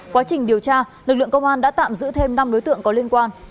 quá trình điều tra lực lượng công an đã tạm giữ thêm năm đối tượng có liên quan